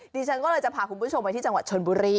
ดิฉันก็เลยจะพาคุณผู้ชมไปที่จังหวัดชนบุรี